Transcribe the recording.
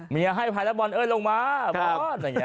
เมียให้ภัยแล้วบอร์นเอิ้นลงมาบอร์น